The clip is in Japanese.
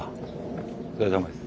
お疲れさまです。